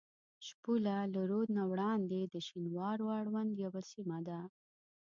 شپوله له رود نه وړاندې د شینوارو اړوند یوه سیمه ده.